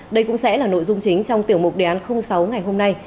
đây cũng sẽ là nội dung chính trong tiểu mục đề án sáu ngày hôm nay